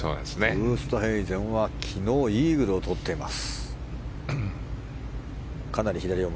ウーストヘイゼンは昨日、イーグルをとっています。